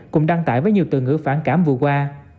cùng đăng tải với nhiều từ ngữ phản cảm vừa qua